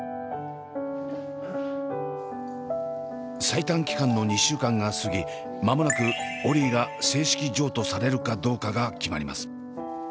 最短期間の２週間が過ぎ間もなくオリィが正式譲渡されるかどうかが決まります。